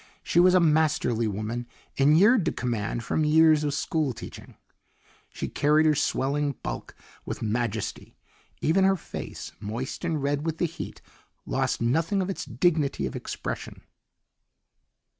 She was a masterly woman inured to command from years of school teaching. She carried her swelling bulk with majesty; even her face, moist and red with the heat, lost nothing of its dignity of expression.